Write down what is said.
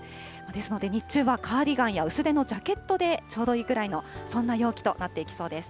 ですので日中はカーディガンや薄手のジャケットでちょうどいいくらいの、そんな陽気となっていきそうです。